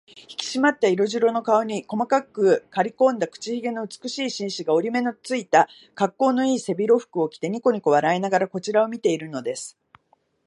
ひきしまった色白の顔に、細くかりこんだ口ひげの美しい紳士が、折り目のついた、かっこうのいい背広服を着て、にこにこ笑いながらこちらを見ているのです。